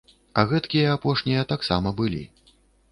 А гэткія, апошнія, таксама былі.